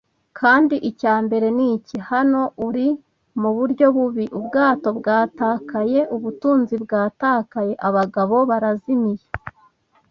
"Kandi icya mbere ni iki: hano uri, muburyo bubi - ubwato bwatakaye, ubutunzi bwatakaye, abagabo barazimiye,